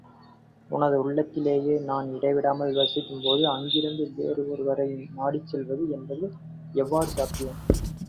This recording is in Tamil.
உனது உள்ளத்திலேயே நான் இடைவிடாமல் வசிக்கும் போது அங்கிருந்து வேறு ஒருவரை நாடிச்செல்வது என்பது எவ்வாறு சாத்தியம்?